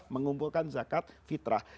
mengumpulkan zakat fitrah